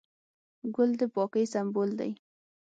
ګل د پاکۍ سمبول دی.